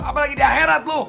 apalagi di akhirat lo